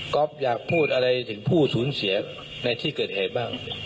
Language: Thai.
อยากพูดอะไรถึงผู้สูญเสียในที่เกิดเหตุบ้าง